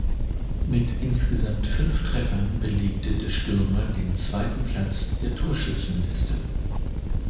Mit insgesamt fünf Treffern belegte der Stürmer den zweiten Platz der Torschützenliste.